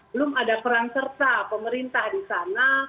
belum ada peran serta pemerintah di sana